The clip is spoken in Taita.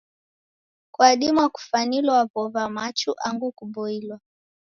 Kwadima kufwanilwa w'ow'a, machu, angu kuboilwa.